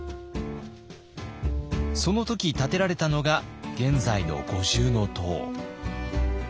その時建てられたのが現在の五重塔。